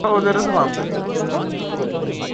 এক-এগারোর পর রাজনীতি থেকে নিজেকে গুটিয়ে নেন তিনি।